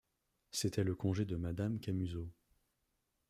C’était le congé de madame Camusot.